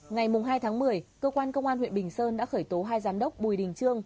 ngày hai tháng một mươi cơ quan công an huyện bình sơn đã khởi tố hai giám đốc bùi đình trương